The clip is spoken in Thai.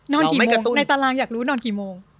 กี่ในตารางอยากรู้นอนกี่โมง